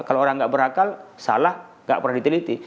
kalau orang yang tidak berakal salah tidak pernah diteliti